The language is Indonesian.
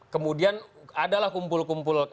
kemudian ada lah kumpul kumpul